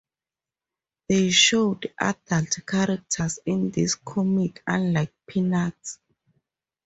They showed adult characters in this comic, unlike Peanuts.